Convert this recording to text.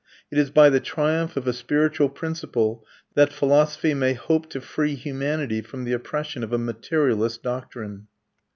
It is by the triumph of a spiritual principle that philosophy may hope to free humanity from the oppression of a materialist doctrine.